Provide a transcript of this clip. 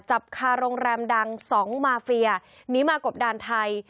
คาโรงแรมดังสองมาเฟียหนีมากบดานไทย